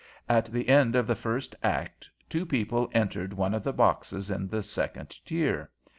At the end of the first act two people entered one of the boxes in the second tier.